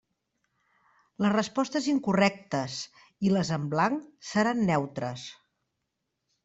Les respostes incorrectes i les en blanc seran neutres.